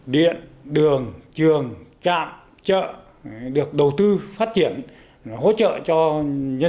điện đường trường trạm chợ được đầu tư phát triển hỗ trợ cho nhân dân